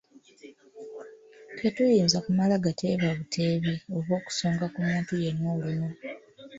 Tetuyinza kumala gateeba buteebi oba okusonga ku muntu yenna olunwe.